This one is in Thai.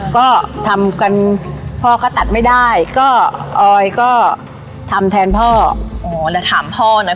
ก็ทำกันพ่อก็ตัดไม่ได้ก็ออยก็ทำแทนพ่อโอ้แล้วถามพ่อหน่อย